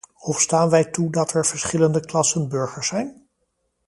Of staan wij toe dat er verschillende klassen burgers zijn?